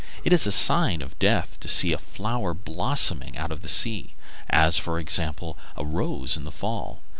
It is a sign of death to see a flower blossoming out of season, as, for example, a rose in the fall.